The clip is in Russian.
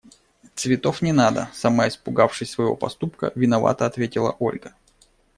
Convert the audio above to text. – Цветов не надо! – сама испугавшись своего поступка, виновато ответила Ольга.